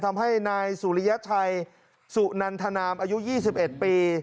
ทำให้นายสุริยชัยสุนันทนามอายุ๒๑ปี